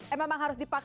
eh memang harus dipakai